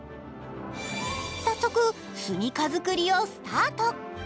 早速、住みか作りをスタート。